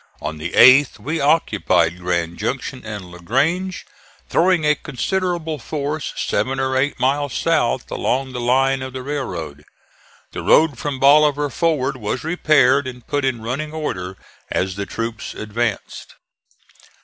On the 8th we occupied Grand Junction and La Grange, throwing a considerable force seven or eight miles south, along the line of the railroad. The road from Bolivar forward was repaired and put in running order as the troops advanced.